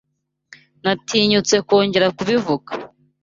Natinyutse kongera kubivuga.